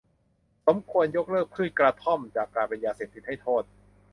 สมควรยกเลิกพืชกระท่อมจากการเป็นยาเสพติดให้โทษ